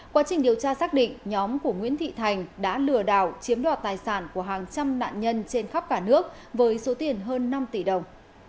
quá trình điều tra xác định nhóm của nguyễn thị thành đã lừa đảo chiếm đoạt tài sản của hàng trăm nạn nhân trên khắp cả nước với số tiền hơn năm tỷ đồng